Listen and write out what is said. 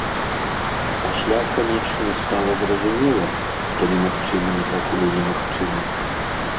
Пасля, канечне, стала зразумела, што немагчымае пакуль немагчыма.